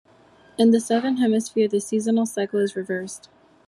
In the Southern Hemisphere the seasonal cycle is reversed.